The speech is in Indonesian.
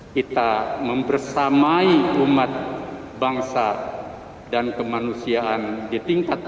kita membersamai umat bangsa dan kemanusiaan di tingkat